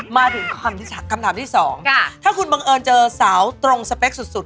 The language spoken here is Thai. มาถึงคำถามที่สองถ้าคุณบังเอิญเจอสาวตรงสเปคสุด